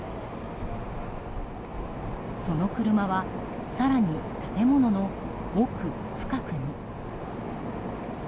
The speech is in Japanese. その車は更に建物の奥深くに。